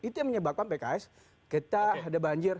itu yang menyebabkan pks kita ada banjir